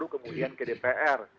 kemudian ke dpr